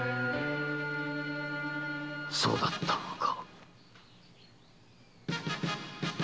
そうだったのか。